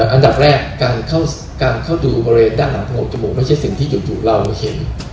อันดับแรกการเข้าดูบริเวณด้านหลังของจมูกไม่ใช่สิ่งที่จู่เรามาเห็น